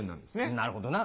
なるほどな。